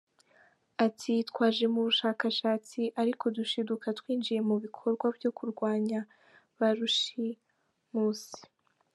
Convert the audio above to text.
Ati “Twaje mu bushakashatsi ariko dushiduka twinjiye mu bikorwa byo kurwanya ba rushimusi.